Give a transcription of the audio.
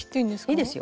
いいですよ。